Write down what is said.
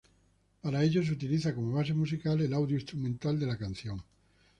Para ello se utiliza como base musical el audio instrumental de la canción.